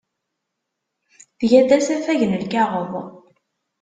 Tga-d asafag n lkaɣeḍ.